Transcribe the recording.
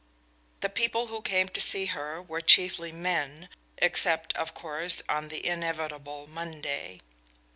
The people who came to see her were chiefly men, except, of course, on the inevitable Monday.